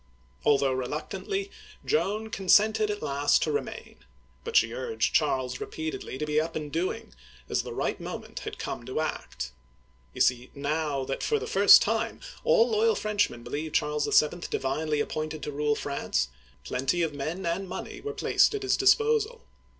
Although reluctantly, Joan consented at last to remain ; but she urged Charles repeatedly to be up and doing, as the right moipent had come to act. You see, now that for the first time all loyal Frenchmen believed Charles VII. divinely appointed Digitized by Google CHARLES VII. (1422 1461) 193 to rule France, plenty of men and money were placed at his disposal.